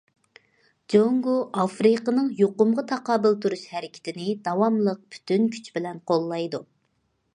جۇڭگو ئافرىقىنىڭ يۇقۇمغا تاقابىل تۇرۇش ھەرىكىتىنى داۋاملىق پۈتۈن كۈچ بىلەن قوللايدۇ.